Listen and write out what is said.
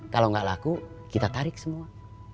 kalau nggak laku kita tarik semua